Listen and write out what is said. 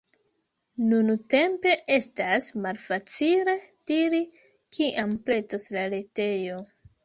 Nuntempe, estas malfacile diri kiam pretos la retejo.